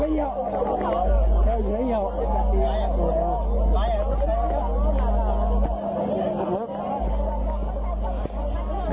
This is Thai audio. เอาไปเอาไปเอาไป